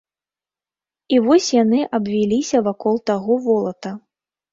І вось яны абвіліся вакол таго волата.